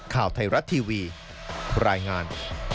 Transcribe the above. ข่าวไทยรัฐทีวีรายงาน